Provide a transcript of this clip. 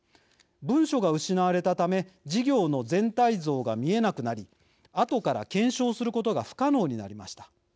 文書が失われたため事業の全体像が見えなくなり後から検証することが不可能になりました。